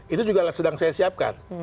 itu juga sedang saya siapkan